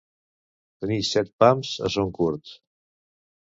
Tenir set pams a Son Curt.